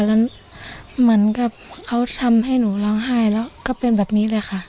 แล้วเหมือนกับเขาทำให้หนูร้องไห้แล้วก็เป็นแบบนี้เลยค่ะ